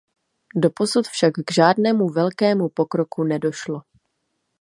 Doposud však k žádnému velkému pokroku nedošlo.